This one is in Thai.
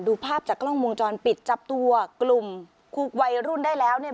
ภาพจากกล้องวงจรปิดจับตัวกลุ่มวัยรุ่นได้แล้วเนี่ย